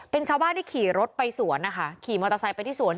เป็นชาวบ้านที่ขี่รถไปสวนนะคะขี่มอเตอร์ไซค์ไปที่สวน